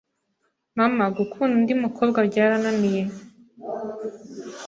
Mama, gukunda undi mukobwa byarananiye